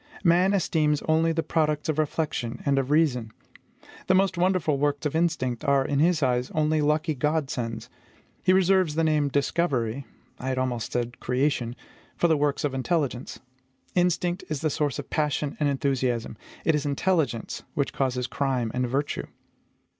Man esteems only the products of reflection and of reason. The most wonderful works of instinct are, in his eyes, only lucky GOD SENDS; he reserves the name DISCOVERY I had almost said creation for the works of intelligence. Instinct is the source of passion and enthusiasm; it is intelligence which causes crime and virtue.